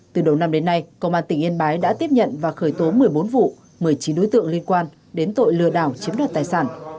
từ đầu năm đến nay công an tỉnh yên bái đã tiếp nhận và khởi tố một mươi bốn vụ một mươi chín đối tượng liên quan đến tội lừa đảo chiếm đoạt tài sản